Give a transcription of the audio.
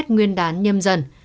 tết nguyên đán nhâm dần